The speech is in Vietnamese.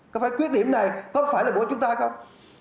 có phải quyết điểm này có phải là của chúng ta hay không